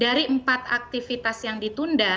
dari empat aktivitas yang ditunda